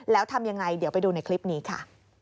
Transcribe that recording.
แล้วทำยังไงเดี๋ยวไปดูในคลิปนี้ค่ะ